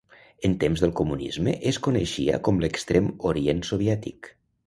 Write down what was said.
En temps del comunisme es coneixia com l'Extrem Orient Soviètic.